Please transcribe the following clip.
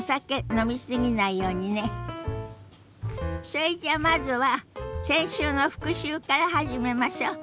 それじゃあまずは先週の復習から始めましょ。